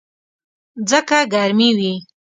ځکه ګرمي وي.